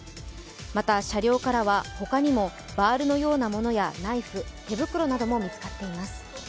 また、車両からは他にもバールのようなものやナイフ手袋なども見つかっています。